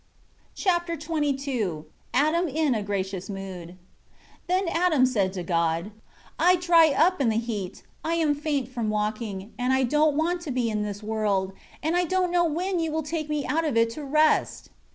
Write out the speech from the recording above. Chapter XXII Adam in a gracious mood. 1 Then Adam said to God, "I dry up in the heat, I am faint from walking, and I don't want to be in this world. And I don't know when You will take me out of it to rest."